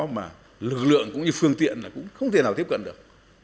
mà lực lượng cũng như phương tiện là cũng không thể nào tiếp cận được